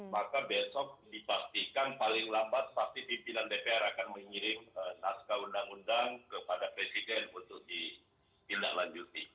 maka besok dipastikan paling lambat pasti pimpinan dpr akan mengirim naskah undang undang kepada presiden untuk ditindaklanjuti